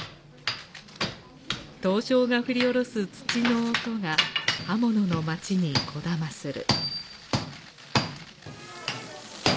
刀匠が振り下ろす鎚の音が刃物の街にこだまする。